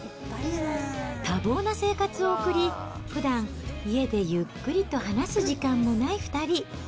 多忙な生活を送り、ふだん、家でゆっくりと話す時間もない２人。